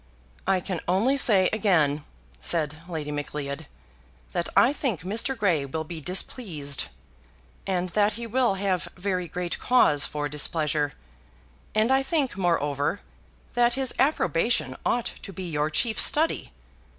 "I can only say again," said Lady Macleod, "that I think Mr. Grey will be displeased, and that he will have very great cause for displeasure. And I think, moreover, that his approbation ought to be your chief study.